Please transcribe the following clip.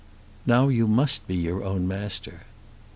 "Now you must be your own master."